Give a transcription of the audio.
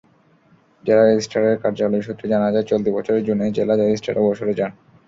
জেলা রেজিস্ট্রারের কার্যালয় সূত্রে জানা যায়, চলতি বছরের জুনে জেলা রেজিস্ট্রার অবসরে যান।